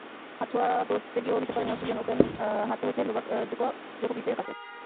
হাতছোঁয়া দূরত্বে গিয়েও নিতে পারেননি অস্ট্রেলিয়ান ওপেন, হারতে হয়েছে নোভাক জোকোভিচের কাছে।